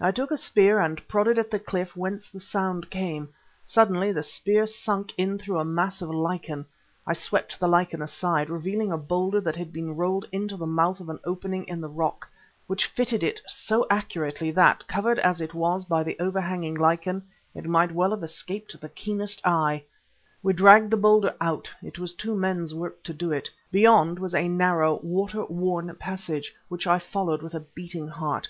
I took a spear and prodded at the cliff whence the sound came. Suddenly the spear sunk in through a mass of lichen. I swept the lichen aside, revealing a boulder that had been rolled into the mouth of an opening in the rock, which it fitted so accurately that, covered as it was by the overhanging lichen, it might well have escaped the keenest eye. We dragged the boulder out; it was two men's work to do it. Beyond was a narrow, water worn passage, which I followed with a beating heart.